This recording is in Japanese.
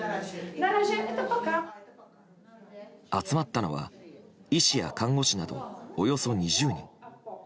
集まったのは医師や看護師などおよそ２０人。